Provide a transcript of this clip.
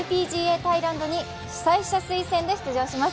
タイランドに主催者推薦で出場します。